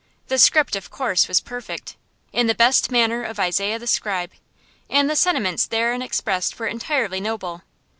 The script, of course, was perfect in the best manner of Isaiah the Scribe and the sentiments therein expressed were entirely noble.